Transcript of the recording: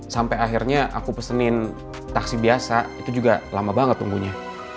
sampai akhirnya aku pesenin taksi biasa itu juga lama banget nunggunya